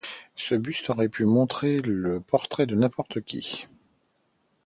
Ce buste aurait pu montrer le portrait de n'importe qui.